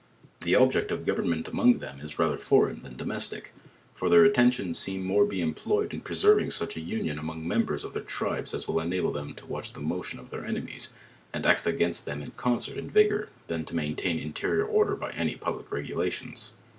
The object of government among them is rather foreign than domestic, for their attention seem more be employed in preserving such a union among mem bers of their tribes as will enable them to watch the mo tions of their enemies, and act against them with concert and vigour, than to maintain interior order by any public re gulations.